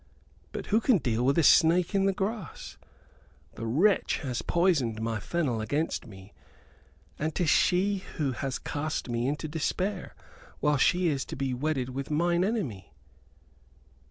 But who can deal with a snake in th' grass? The wretch has poisoned my Fennel against me, and 'tis she who has cast me into despair, while she is to be wedded with mine enemy."